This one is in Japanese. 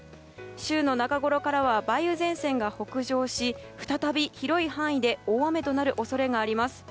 週の中ごろからは梅雨前線が北上し再び広い範囲で大雨となる恐れがあります。